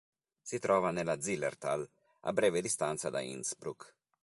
Si trova nella Zillertal, a breve distanza da Innsbruck.